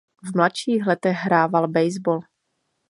V mladších letech hrával baseball.